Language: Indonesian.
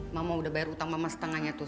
mamo udah bayar utang mamasetengahnya tuh